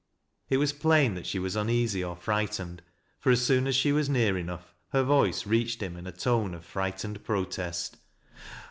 It was plain that she was uneasy or fright ened, for, as soon as she was near enough, her voice reached him in a tone of frightened protest.